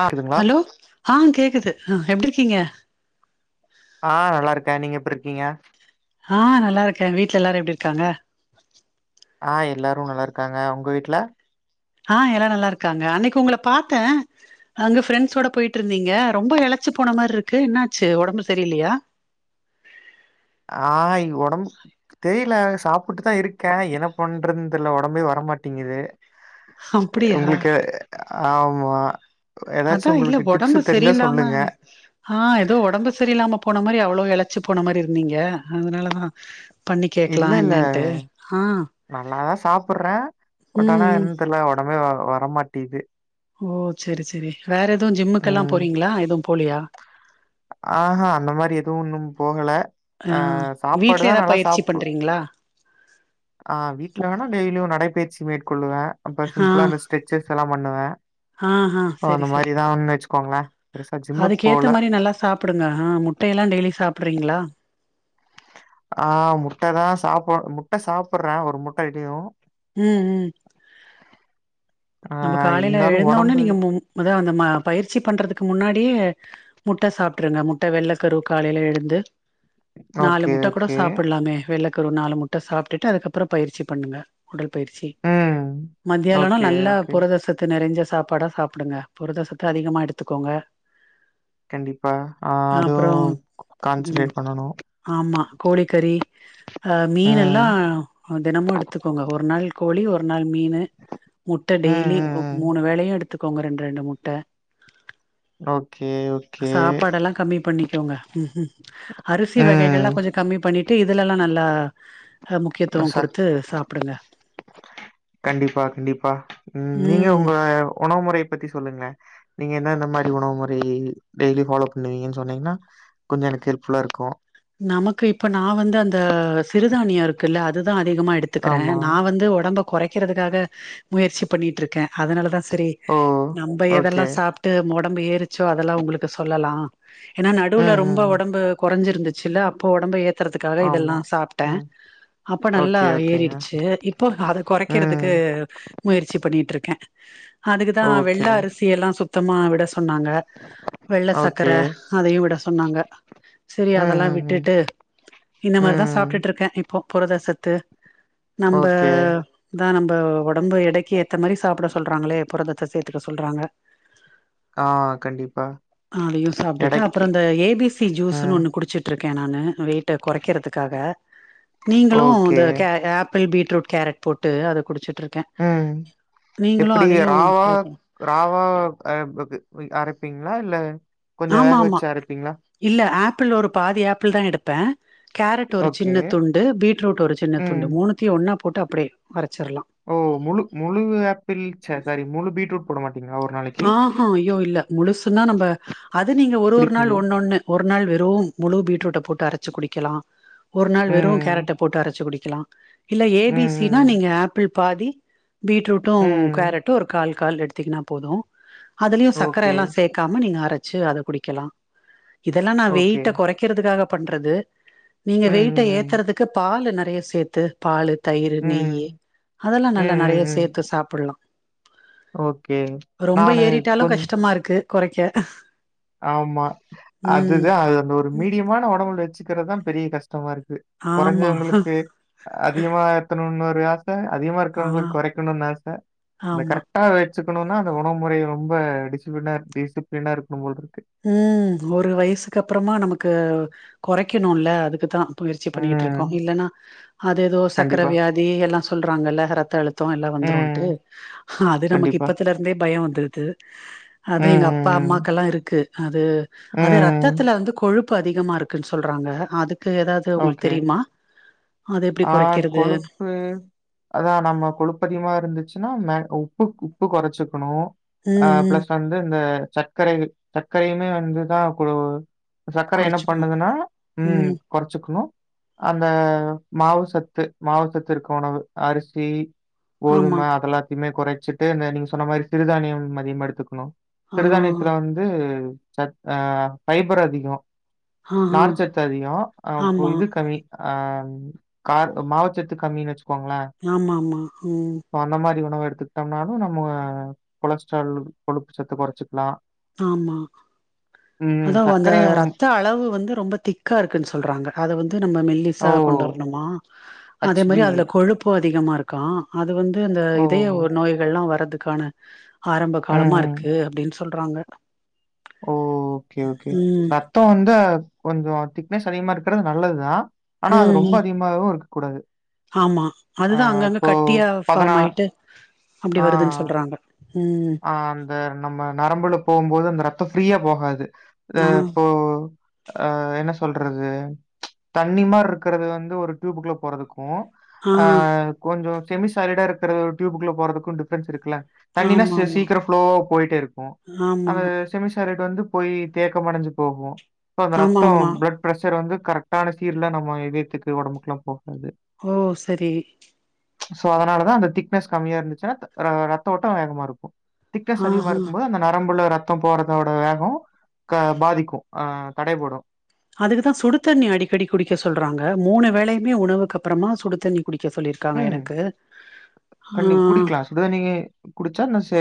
ஆ [inaudible] ஹா கேக்குது எப்டி இருக்கீங்க ஆ நல்லா இருக்க நீங்க எப்புற்ருக்கீங்க ஹா நல்லா இருக்கே வீட்ல எல்லாரு எப்டி இருக்காங்க ஆ எல்லாரு நல்லா இருக்காங்க உங்க வீட்ல ஆ எல்லா நல்லா இருக்காங்க அன்னைக்கு உங்கள பாத்த அங்க ஃப்ரெண்ட்ஸோட போயிட்ருந்தீங்க ரொம்ப எளச்சு போன மாற்ருக்கு என்ன ஆச்சு ஒடம்பு சரியில்லையா ஆ இ ஒடம்பு தெரில சாப்புட்டுத்தா இருக்க என்ன பண்றதுன் தெர்ல ஒடம்பே வரமாட்டிங்கிது அப்டியா ஆமா ஏதாச்சும் அதா இல்ல உங்களுக்கு டிப்ஸ் ஒடம்பு தெரிஞ்சா செரியில்லாம சொல்லுங்க ஹா ஏதோ ஒடம்பு சரியில்லாம போன மாரி அவ்ளோவ் எழச்சி போன மாரி இருந் தீங்க அத்னாலதா இல்ல இல்ல நல்லாதா சாப்புர்ற பட் ம் ஆனா ம் என்னன் தெர்ல ஒடம்பே வர வரமாட்டியிது ஓ சேரி ச் செரி வேற எதுவு ஜிம்முக்கெல்லா ம் போறீங்களா எதுவும் போலியா ஆஹா அந்த மாரி எதுவும் இன்னும் போகல ஆ சாப்பாடு வீட்ல தான் எதா நல்லா பயிற்சி சாப்பு பண்றீங்களா ஆ வீட்ல வேணா டெய்லியு நடைபயிற்சி மேற்கொள்ளுவ ஹா ஹா ஹா ஓ சேரி அந்த சேரி மாரிதான்னு வச்சுக்கோங்களேன். பெருசா ஜிம்முக்கு அதுக்கேத்த போல. மாரி நல்லா சாப்புடுங்க ஆ முட்டையெல்லா டெய்லி சாப்ட்றீங்களா ஆ முட்ட தா சாப்பு முட்ட சாப்புர்ற ஒரு முட்ட [unintelligible] ம் ம் ஆ நம்ப காலைல இருந்தாலும் எழுந்தவொன்னே ஒடம்பு நீங்க மும் மொத அந்த ம பயிற்சி பண்றதுக் க்கு முன்னாடியே முட்ட சாப்ட்ருங்க முட்ட வெள்ளக்கரு காலைல எழுந்து நாலு ஓகே, முட்டக்கூட ஓகே. சாப்புட்லாமே வெள்ளக் கரு நாலு முட்ட சாப்ட்டுட்டு அதுக்கப்றொ பயிற்சி பண்ணுங்க உடல் பயிற்சி ம். மத்தியாளொன்னா ஓகே, நல்லா ஓகே. த்து நெறைஞ்ச சாப்பாடா சாப்புடுங்க புரத சத்த அதிகமா எடுத்துக்கோங்க கண்டிப்பா ஆ அதுவு அப்புறோ ம் கான்சன்ட்ரேட் பண்ணனு ஆமா கோழிக்கறி ஆ மீன்னெல்லா தெனமு எடுத்துக்கோங்க ஒரு நாள் கோழி ஒரு நாள் மீனு முட் முட்ட ம், டெய்லி ம், ஒ ம். மூணு வேளையு எடுத் எடுத்துக்கோங்க ரெண்ரெண்டு முட்ட ஓகே, ஓகே. சாப்பாடெல்லா கமி பண்ணிக்கோங்க ம் ஹு அரிசி வகைகள்லா ம். கொஞ்சொ கமி பண்ணிட் ட்டு இதுலெல்லா நல்லா அ முக்கியத்துவ சத் குடுத்து சாப்டுங்க. கண்டிப்பா, கண்டிப்பா. ம் நீங்க உங்க ஒணவு முறைய பத்தி சொல்லுங்ளே. நீங்க என்னன்ன மாரி ஒணவு முறை டெய்லி ஃபாலோ பண்ணுவிங்கனு சொன்னிங்னா கொஞ்சொ எனக்கு ஹெல்ப்ஃபுல்லா இருக்கு நமக்கு இப்ப நா வந்து அந்த சிறுதானிய இருக்குல்ல அது அதிகமா எடுத்துக்கறே. ஆமா. நா வந்து ஒடம்ப கொறைக்கறதுக்காக முயற்சி பண்ணிட்ருக்கே அதனால தா திரி ஓ! நம்ப ஓகே. எதெல்லா சாப்ட்டு ஒ டம்பு ஏறுச்சோ அதெல்லா உங்களுக்கு சொல்லலா. ஏன்னா ம், நடுவ்ல ரொம்ப ம், ம். ஒடம்பு கொறைஞ்சிரு சில்ல அப்போ ஒடம்ப ஏத் ஏத்தறதுக்காக ஆமா. இதெல்லா சாப்ட்டே. ம். அப்போ நல்லா ஓகே, ஓகேங்க. ஏறிடுச்சு இப்போ அத ம். கொறைக்றதுக்கு முயற்சி பண்ணிட்ருக்க அதுக்குதா வெள்ள ஓகே, அரிசி எல்லா சுத் தமா விட சொன்னாங்க வெள்ள ஓகே. சக்கர அதையு விட சொன்னாங்க சரி ம், அ அதெல்லா ம், விட்டுட்டு இந்த ம். மாரிதா ம். சாப்ட்டுட்ருக்கே இப்போ புரதசத்து நம்ப ஓகே. னா நம்ம ஒடம்பு எடைக்கு ஏத்த மாரி சாப்பிட சொல்றாங்களே புரதத்த சேத்துக்க சொல்றாங்க ஆ கண்டிப்பா. அதையு சாப்ட்டுட்டு அப்புற எடைக்கு இந்த ஏ பி சி ஜூஸ்னு ம். ஒண்ணு குடிச்சு இருக்கே நானு வெயிட்ட கொறைக்கிறதுக்காக நீங்களு ஓகே. இந்த கே ஏப் பிள் பீட்ரூட் கேரட் போட்டு அத குடிச்சி ம் எப்புடி அதையு ராவா ட்ரை பண்ணு ராவாவ அ பு கு அரை ப்பிங்ளா இல்ல கொஞ்சம் வேக ஆமா ஆமா வச்சு அரைப்பீங்களா? இல்ல ஆப்பிள் ஒரு பாதி ஆப்பிள் தா எடுப்ப கேரட் ஒரு ஓகே. சின்ன துண்டு பீட்ரூட் ஒரு சின்ன ம். துண்டு மூணத்தையு ஒன்னா போட்டு அப்டே வரே ஓ முழு முழுவு ஆப்பிள் சே சாரி முழு பீட்ரூட் போட மா ஆ ஆ ஐய்யோ இல்ல முழுசுனா நம்ப அது நீங்க ஒரு ஒரு பிடிக்க நாள் முடியாது. ஒன்னொன்னு ஒ ஒன்னாள் வெறு முழு பீட்ரூட்ட போட்டு அரச்சு குடிக்கலா ஒர் நாள் வெறு கேரட்ட ம். போட்டு அரச்சு குடி‌ கிலா இல்ல ஏ ம், பி சி னா ம், நீங்க ஆப்பிள் பாதி பீட்ரூட்டோ ம். கேரட்டோ ஒரு கால் கால் எடுத்திங்னா போதோ அதிலியு சக்கர ஓகே. எல்லா சேக்காம நீங்க அர சு அத குடிக்கலா இதெல்லா நா ஓகே. வெயிட்ட கொறைக்கிறதுக்காக பட்றது நீங்க ம். வெயிட்ட ம். ஏத்தறதுக்கு பாலு ந தய சேத்து பாலு தயிரு நெய்யி ம். அதெல்லா ம். ம். நல்லா நெறைய ம். ம். சேத்து சாப்பில்லா ஓகே ரொம்ப நானு ஏறிட்டாலு கொஞ் கஷ்டமா இருக்கு கொறைக்க ஆமா ம் அதுதா அ அந்த ஒரு மீடியமான ஒடம்புல சிக்கிறதுதா பெரிய கஷ் சமமா இருக்து ஆமா கொறஞ்சவங்களுக்கு அதிகமா ஏத்தனுன்னு பிரயாஷ் த அதிகமா ஆ இருக்கிறவங்களுக்கு கொறைக்கணுன் ஆச ஆன ஆமா கரெக்டா வச்சுக்கணும்னா அந்த உணவு முறை ரொம்ப டிஸப்ளினா டிஸப்ளினா இருக்கணு போலிருக்கு ம் ஒரு வயசுக்கு அப்பறமா நமக்கு கொறைக்கணுலே அதுக்குதா தோ முயற்சி பண்ணியிட்டுருக்கோ ம். இல்லனா அது ஏதோ சக்கர கண்டிப்பா. வியாதி எல்லா சொல்றாங்கல்ல ரத்த அழு தோ எல்லா ம். வந்துரோன்ட்டு அது நமக்கு கண்டிப்பா. இப்பத்துல இருந்தே பயம் வந் தல்து ம். அது எங்க அப்பா ம். அம்மாக்கல்லா இருக்கு து ம். அது ம். ரத்தத்துல வந்து கொழுப் உப்பு அதிகமா இருக்குன் சொல்றாங்க அது ஓகே அத எப்டி ஆ கொறைக்கிறது கொழுப்பு அதா நம்ம கொழுப்பதிகமா இருந்துச்சினா மேன் ஒப்புக் உப்பு கொறச்சிக்கணு ஆ ம் ம் பிளஸ் வந்து இந்த சர்க்கரை சர்க்கரையுமே வந்துதா கொழு சர்க்கரை என்ன கொறச்சுக்கணு பண்ணதுனா உம் ம் சிக்ணு அந்த மாவுசத்து மாவு சத்து இருக்கு உணவு அரிசி ஆமா கோதும அதெல்லாத்தைமே கொறைச்சிட்டு இந்த நீங்க சொன்ன மாரி சிறுதானியம் அதிகமா எடுத்துக்கணு ஆ சிறுதானியத்துல வந்து சத் ஆஹ் பைபர் அதிகொ ஆஹா நார்ச்சத்து அதிகொ ஆ பொ ஆமா இது கமி ஆஹ் கார் மாவுச்சத்து கம்மீன் வச்சு ஆமா ஆமா உம் நொவெடுத்துகிட்டொம்னாலு நம்ம கொலஸ்ட்ரால் கொழுப்பு சத்து கொறச்சிக்லா ஆமா அதோ அந்த சர்க்கரைய ரத்த அளவு வந்து ரொம்ப திக்கா இருக்குன்ஸ் சொல்றாங்க அத வந்து நம்ம மெல்லிசா ஓ! கொண்டரணுமா அதே ஹச்பி. மாரி அதுல கொழுப்போ அத் அதிகமா இருக்கா அது வந்த் து அந்த ஓ! இதயவ் நோய்கள்லா வரத் துக்கான ஆரம்ப ம், காலமா ம். இருக்கு அப்டின்ஸ் சொல்றாங்க ஓ ஓகே ஓகே ம் ரத்தொ வந்து கொஞ்சொ திக்னஸ் அதிகமா இருக்றது நல்லதுதா ஆனா அது ரொம்ப ம் அதிகமாய்வு இருக் கூடாது ஆமா அதுதா அங்கங்க கட்டியா ஃபார்ம் ஆய்ட்டு அப்டி வருதுன் சொல்றாங்க ம் ஆஹ் அந்த நம்ம நரம்புல போகும்போது அந்த ரத்தொ ஃப்ரீயா போகாது அ ஆ இப்போ அ என்ன சொல்றது ச்ச் தண்ணி மாறிருக்றது வந்து ஒரு ட்டியூப்க்குள்ள போறதுக் கோ ஆ அ கொஞ்சோ செமி சாலிடா இருக்றது டியூப்புக்குள்ள போறதுக்கு டிஃப்ரன்ஸ் இருக்குல்ல தண்ணினா சி ஆமாமா சீக்கிர ஃப்ளோவா போயிட்டேருக்கோ ஆமா அந்த செமிசாலிட் வந்து போயி தேக்கமடஞ்சு போகு அப்ப அந்த ஆமா ரத்தோ ஆமா ப்ளட் ப்ரெஷர் வந்து கரெக்டான சீர்ல்ல நம்ம இதயத்துக்கு ஒடம்புக்ல்லா போ ஓ செரி ச்ச் சோ அதனாலதா அந்த திக்னஸ் கம்மியா இருந்துச்சுன்னா த ர- ரத்த ஓட்டோ வேகமா இருக் திக்னஸ் அதிகமா ஆஹா இருக்கும்போது அந்த நரம்புள ர த்த போறதோட வேகோ க பாதிக்கு அ தடைபடு அதுக்குதா சுடுதண்ணி அடிக்கடி குடிக்க சொல்றாங்க மூணு வேலயுமே உணவுக்கு அப்பறமா சுடுத்தண்ணி ம் ஆ தண்ணி குடிக்லா சுடு தண்ணியே குடிச்சா ந சே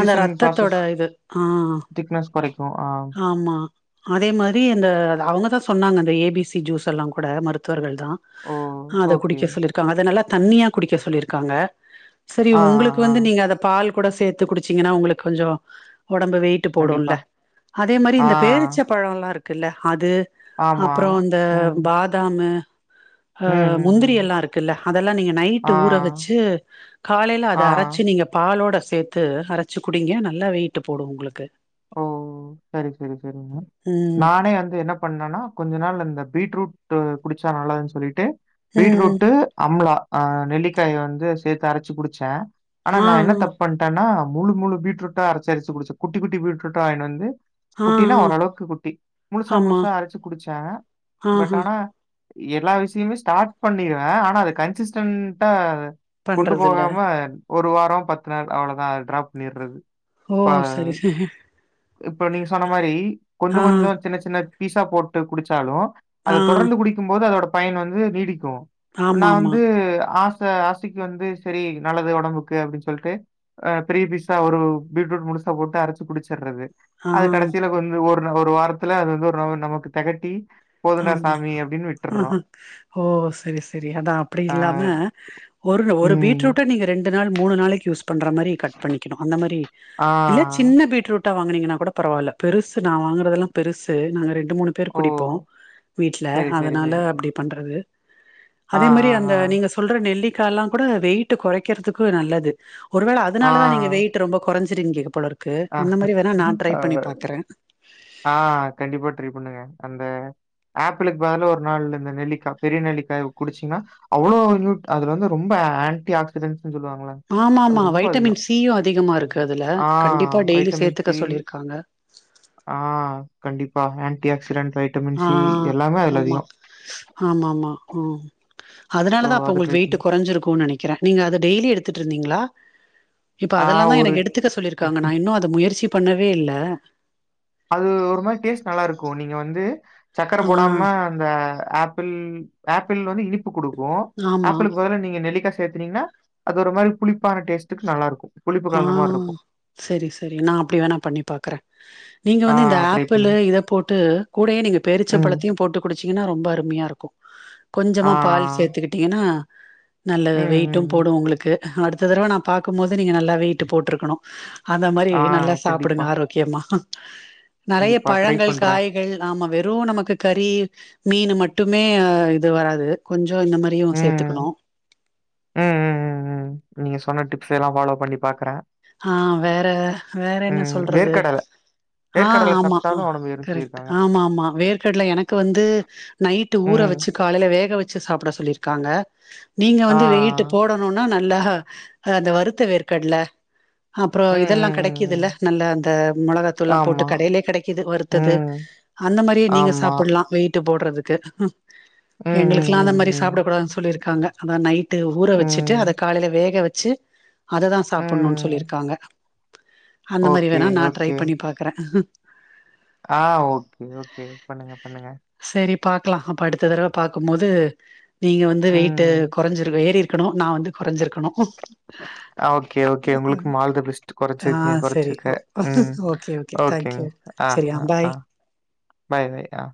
அந்த ரத்தத்தோட இது அ அ திக்னஸ் குறைக்கும். ஆ. ஆமா அதே மாரி இந்த அவங்கதா சொன்னாங்க அந்த ஏ பி சி ஜூஸ் எல்லா கூட மருத்துவர்கள் தா ஓ! அத ஓகே. குடிக்க சொல்லிருக்காங்க அத நல்லா தண்ணியா குடிக் க சொல்லிருக்காங்க செரி ஆ, ஆ, உங்ளுக்கு ஆ. வந்து நீங்க அத பால் கூட சே த்து குடிச்சீங்கன்னா உங்குளுக் கொஞ்சோ ஒடம்பு வெயிட்டு கண்டிப்பா. போடூல அதே மாரி ஆ. இந்த பேரிச்ச பழோலா இருக் க்குல அது ஆமா. அப்றோ இந்த ம். பாதாமு ஆ ம், ம், முந்திரி ம். எல்லா இருக்குல்ல அதெல்லா நீங்க நைட்டு ஆ. ஊற வெச்சு காலைல ஆ. அத அரச்சு நீங்க பாலோட சே த்து அரச்சு குடிங்க நல்லா வெயிட்டு போடூ உங்குளுக்கு ஓ செரி செரி செரிங்க ம் நானே வந்து என்ன பண்ணனா கொஞ்ச நாள் அந்த பீட்ரூட் டு குடிச்சா நல்லதுன் சொல்லிட்டு ம் பீட்ரூட்டு அம்லா அ நெல்லிக்காய வந்து சேத்து அரச்சி குடிச்சே ஆனா ஆ நா என்ன தப்பண்ட்டேனா முழு முழு பீட்ரூட்டா அரச்சு அரச்சு குடிச்சே குட்டி குட்டி பீட் ரூட்டா‌ வாங்கிட்டு வந்து ஆ குட்டினா ஆ ஓரளவுக்கு குட்டி முழுசா ஆமா முழுசா அரச்சு குடிச்ச பட் ஆஹா ஆனா எல்லா விஷ்யமே ஸ்டார்ட் பண்ணிருவே ஆனா அது கன்சிஸ்டன்டா கொண்டு பண்றது இல்ல போகாம ஒரு வாரோ பத்து நாள் அவ்ளோ அதா ட்ராப் பண்ணிட்றது ஓ செரி செரி இப்போ நீங்க சொன்ன மாரி கொஞ்சோ கொஞ்சோ சின்ன சின் ன பீஸா போட்டு குடிச்சாலு ஆ அத தொடர்ந்து குடிக்கூ போது அதோட பயன் வந்து நீடி க்கு ஆமா நா ஆமா வந்து ஆ க ஆசைக்கு வந்து செரி நல்லது ஒடம்புக்கு அப்டின்னு சொல்ட்டு ஆ பெரிய பீஸா ஒரு பீட்ரூட் முழுசா போட்டு அரச்சு குடிச் சட்றது ஆ அது கடைசில வந்து ஒரு ஒரு வாரத்துல அது வந்து ஒரு நமக்கு தெகட்டி போதுண்டா ஆமா சாமி அப்படின்னு விட்டுர்றோம். ஓ செரி செரி அதா அப்டி ஆ இல்லாம ஒரு ஒரு ம். பீட்ரூட்ட நீங்க ரெண் டு நாள் மூணு நாளைக்கு யூஸ் பண்ற மாரி கட் பண்ணிக்கனு அந்த மாரி ஆ. இல்ல சின்ன பீட்ரூட் ட்டா வாங்கினீங்கன்னா கூட பரவால்ல பெருசு நா வாங்குறதெல்லா பெருசு நாங்க ரெண் டு மூணு பேர் குடிப்போ ஓ! வீட்ல சரி, சரி, அதனால சரி. அப்டி பண்ற றது ஆ, அதே மாரி ஆ, அந்த நீங்க சொல்ற நெல்லி க்கா எல்லா கூட வெயிட்ட கொறைக்கிறதுக்கு நல்லது ஒருவேள ஆ. அதனால தா நீங்க வெயிட் ரொம்ப கொறஞ் சிருக்கிங் போல க்கு ஆ. அந்த மாரி வேணா நா ட்ரை அ. பண்ணி பாக்குறே ஆ கண்டிப்பா ட்ரை பண்ணுங்க அந்த ஆப்பிளுக்கு பதிலா ஒரு நாள் இந்த நெல்லிக்கா பெரிய நெல்லிக்காய குடிச்சீங்ன்னா அவ்ளோ நியூட் அதுல வந்து ரொம்ப ஆன்டி ஆக்சிடென்ட் ஆமா மா வைட்டமின் சியு அதிகமா ருக்கு அதுல ஆ கண்டிப்பா டெய்லியு வைட்டமின் சேத்துக்க சி சொல்லியிருக்காங்க ஆ கண்டிப்பா ஆன்டி ஆக்சிடென்ட் வைட்டமின் ஆ சி எல்லாமே அதுல ஆமா அதிகம். ஆமாமா ம் அதனால ஸோ தா அப்ப அது உங்களுக் ட்ரை வெயிட்டு பண்ணி கொறஞ்சிருக்கூன் நெனை கிறே நீங்க அது டெய்லி எடுத்துட்ரிந்திங்ளா இப்பொ ஆ அதெல்லா தா ஒரு எனக்கு எடுத்துக்க சொல்லிருக்காங்க நா இன்னு அத முயற்சி பண்ணவே இல்ல அது சக்கர ஆ போடாம அந்த ஆப்பிள் ஆப்பிள் வந்து இனிப் ப்பு குடுக்கூ ஆமா ஆப்பிளுக்கு பதுலா நீங்க நெல்லிக்காஸ் சேத்துனீங்னா அது ஒரு மாரி புளிப்பான டேஸ்டுக்கு நல்லாருக்கு ஹா செரி செரி நா அப்டி வேணா பண்ணி பாக்றெ நீங்க ஆ வந்து இந்த ட்ரை ஆப்பிளு பண்ணுங்க. இத போட்டு கூடயே நீங்க ம். பேருச்சம்பழத்தையு போட்டு கு குடிச்சிங்கனா ரொம்ப அருமையாருக்கு கொஞ்சமா பால் ஆ. சேத்துக்கிட்டிங்கனா நல்ல ம், ம், வெயிட்டும் ம். போடூ உங்களுக்கு அடுத்த தடவ நா பாக்கும்போது நீங்க நல்லா வெயிட்டு போட்ருக்கணு அந்த மாரி ஆ நல்லா கண்டிப்பா, சாப்டுங்க ஆரோக்யமா நெறைய கண்டிப்பா. ட்ரை பழங்கள் பண்றேன். காய்கள் ஆமா வெறூ நமக்கு கறீ மீனு மட் டுமே அ இது வராது கொஞ் சொ இந்த மாரியு ம். சேத்துக்கணு சைலா ஃபாலோ பண்ணி பாக்குறே ஹா வேற வேற என்ன சொல்றது வேர்க்கடலை. ஹா வேர்க்கடலை ஆமா சாப்பிட்டாலும் உடம்பு ஏறும்ன்னு கரெக்ட் சொல்லியிருக்காங்க. ஆமா ஆமா வேர்க்கடல எனக்கு வந்து நைட்டு ஊர ம். வச்சு காலைல வேக வச் சு சாப்ட சொல்லிர்க்காங்க நீங்க ஆ. வந்து வெயிட்டு போடணூனா ல்ல அந்த வருத்த வேர்க்கடல அப்றோ ம், இதெல்லா ம், ம், கெடைக்குதுல்ல ம். நல்ல அந்த மொளகாத்தூள்ல்லா போட்டு ஆமா. கடையிலே கெடைக்குது வருத்தது ம். அந்த மாரியே நீங்க ஆமா. சாப்புட்லா வெயிட்டு போட் ட்றதுக்கு ம், எங்ளுக்குலா அந்த ம், மாரி ம், சாப்டக் கூடாதுன் சொல்லிருக் காங்க அதா நைட் டு ஊற ம். வச்சிட்டு ம். அத காலைல வேக வச் ச்சு அததா சாப் புட்னுன் ம். சொல்லிருக்காங்க அந்த மாரி ஓகே, வேணா நா ட்ரை பண்ணி பாக்குறே ஆஹ் ஓகே ஓகே பண்ணுங்க பண்ணுங்க சரி பாக்கலா அப்ப அடுத்த தடவ பாக்கும் போது நீங்க வந்து ம். வெயிட்டு கொறைஞ்சிருவ ஏறி இருக்கணு நா வந்து கொறஞ்சிருக்கணு கே ஓகே உங்களுக்கும் ஆல் த பெஸ்ட் ஆ கொறைச்சிக்கங் சரி ஓ குறைச்சிக்க ம் ஓகே ஓகே ஓகேங்க தேங்க்யூ ஆ சரியா ஆ பாய் அ பாய் பாய்